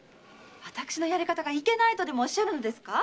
私のやり方がいけないとでもおっしゃるのですか？